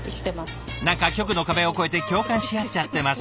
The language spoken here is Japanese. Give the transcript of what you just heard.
何か局の壁を超えて共感し合っちゃってます。